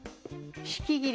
引き切り。